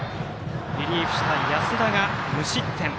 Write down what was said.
リリーフした安田が無失点。